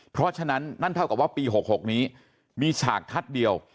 เพราะฉะนั้นนั่นเท่ากับว่าปี๖๖นี้มีฉากทัศน์เดียว